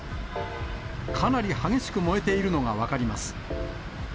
かなり激しく燃えているのが分かります。